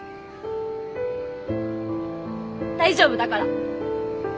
大丈夫だから。